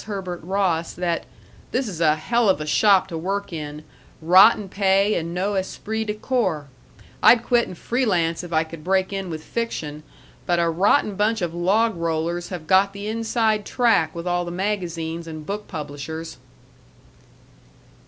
Herbert Ross that "this is a hell of a shop to work in rotten pay and no esprit de corps. I'd quit and free lance if I could break in with fiction, but a rotten bunch of log rollers have got the inside track with all the magazines and book publishers."